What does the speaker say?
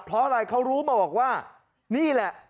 เพราะอะไรเขารู้มาบอกว่านี่แหละ